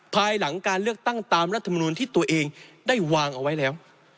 ภายหลังการเลือกตั้งตามรัฐมนูลที่ตัวเองได้วางเอาไว้แล้ว